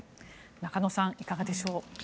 中野さん、いかがでしょう。